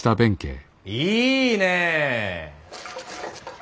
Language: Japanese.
いいねえ。